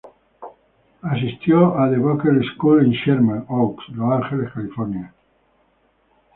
Asistió a "The Buckley School" en Sherman Oaks, Los Ángeles, California.